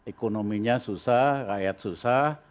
ekonominya susah rakyat susah